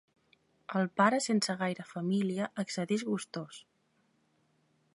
El pare sense gaire família accedeix gustós.